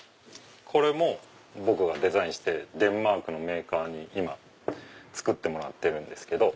これも僕がデザインしてデンマークのメーカーに今作ってもらってるんです。